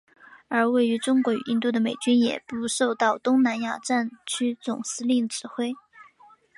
而位于中国与印度的美军也不受到东南亚战区总司令指挥。